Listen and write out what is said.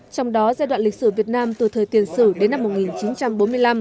trong đó giai đoạn lịch sử việt nam từ thời tiền sử đến năm một nghìn chín trăm bốn mươi năm